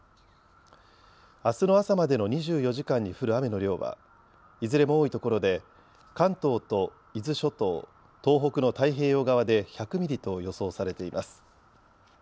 あすの朝までの２４時間に降る雨の量はいずれも多いところで関東と伊豆諸島、東北の太平洋側で１００ミリと予想されています。